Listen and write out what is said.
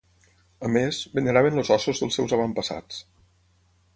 A més, veneraven els ossos dels seus avantpassats.